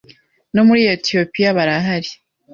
no muri Ethiopia barahari